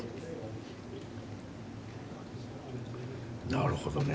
なるほどね。